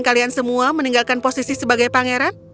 kalian semua meninggalkan posisi sebagai pangeran